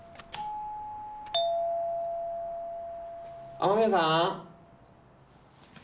雨宮さん。